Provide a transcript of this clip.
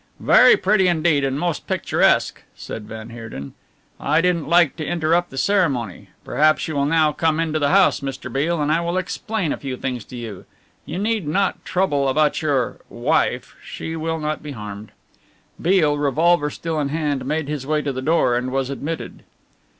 "Very pretty indeed, and most picturesque," said van Heerden. "I didn't like to interrupt the ceremony. Perhaps you will now come into the house, Mr. Beale, and I will explain a few things to you. You need not trouble about your wife. She will not be harmed." Beale, revolver still in hand, made his way to the door and was admitted.